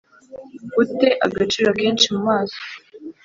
u te agaciro kenshi mu maso